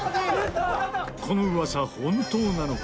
この噂本当なのか？